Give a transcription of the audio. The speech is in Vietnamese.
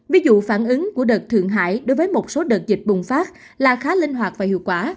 ví dụ phản ứng của đợt thượng hải đối với một số đợt dịch bùng phát là khá linh hoạt và hiệu quả